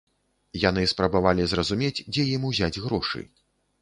Яны спрабавалі зразумець, дзе ім узяць грошы.